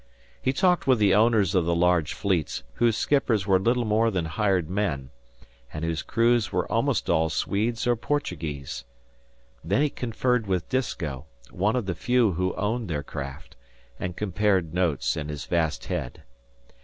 He talked with the owners of the large fleets whose skippers were little more than hired men, and whose crews were almost all Swedes or Portuguese. Then he conferred with Disko, one of the few who owned their craft, and compared notes in his vast head.